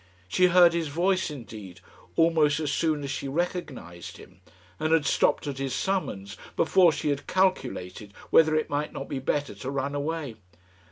She heard his voice, indeed, almost as soon as she recognised him, and had stopped at his summons before she had calculated whether it might not be better to run away.